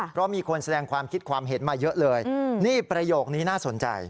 เพราะมีคนแสดงความคิดความเห็นมาเยอะเลยนี่ประโยคนี้น่าสนใจ